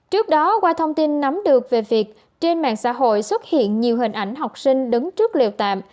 trước đó qua thông tin nắm được về việc trên mạng xã hội xuất hiện nhiều hình ảnh học sinh đứng trước liều tạm